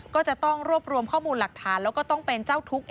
ก็จะต้องรวมข้อมูลหลักฐานและเป็นเหมาะเจ้าทุกข์